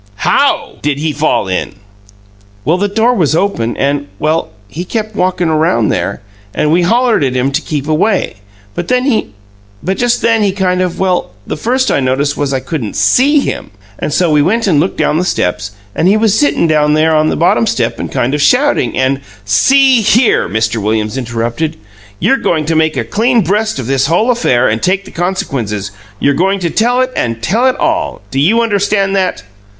"HOW did he fall in?" "Well, the door was open, and well, he kept walkin' around there, and we hollered at him to keep away, but just then he kind of well, the first I noticed was I couldn't SEE him, and so we went and looked down the steps, and he was sitting down there on the bottom step and kind of shouting, and " "See here!" Mr. Williams interrupted. "You're going to make a clean breast of this whole affair and take the consequences. You're going to tell it and tell it ALL. Do you understand that?"